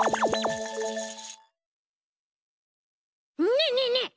ねえねえねえ